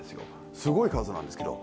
すごい数なんですけど。